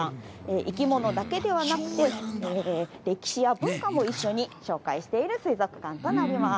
生き物だけではなくて、歴史や文化も一緒に紹介している水族館となります。